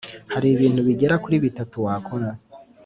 Hari ibintu bigera kuri bitatu wakora